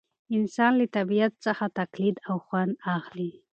انسان له طبیعت څخه تقلید او خوند اخلي.